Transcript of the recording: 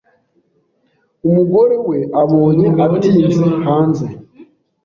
Umugore we abonye atinze hanze,